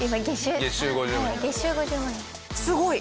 すごい！